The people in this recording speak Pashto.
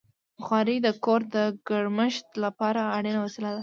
بخاري د کور د ګرمښت لپاره اړینه وسیله ده.